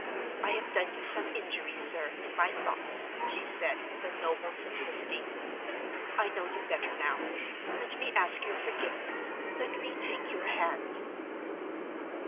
"I have done you some injury, sir, in my thoughts," she said, with a noble simplicity. "I know you better now. Let me ask your forgiveness; let me take your hand."